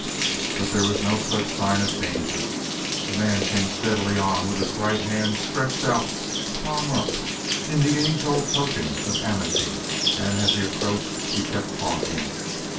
But there was no such sign of danger. The man came steadily on with his right hand stretched out palm up in the age old token of amity, and as he approached he kept talking.